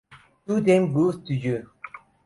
Too Damn Good to You".